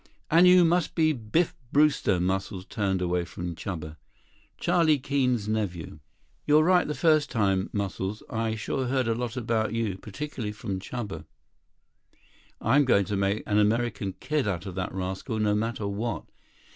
"And you must be Biff Brewster." Muscles turned away from Chuba. "Charlie Keene's nephew." 59 "You're right the first time, Muscles. I've sure heard a lot about you. Particularly from Chuba." "I'm going to make an American kid out of that rascal, no matter what.